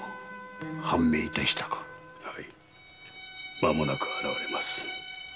まもなく現れます。